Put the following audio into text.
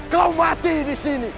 kau mati disini